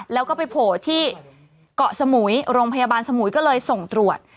แล้วก็ไปโผล่ที่เกาะสมุยโรงพยาบาลสมุยก็เลยส่งตรวจ